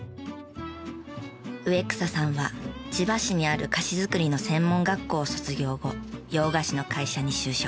植草さんは千葉市にある菓子作りの専門学校を卒業後洋菓子の会社に就職。